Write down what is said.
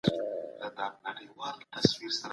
سګریټ به پرېښودل شوی وي.